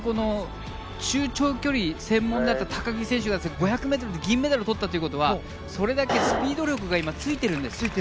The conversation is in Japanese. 中長距離専門だった高木選手が５００ｍで銀メダルをとったということはそれだけスピード力がついているんです。